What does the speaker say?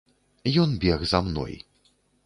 Ён бег за мной.